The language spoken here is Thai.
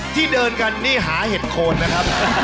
ที่เดินกันนี่หาเห็ดโคนนะครับ